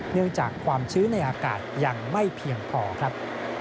เนื่องจากความชื้นในอากาศยังไม่เพียงพอครับ